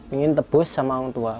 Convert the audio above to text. ingin tebus sama orang tua